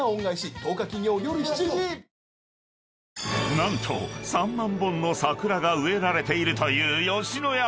［何と３万本の桜が植えられているという吉野山］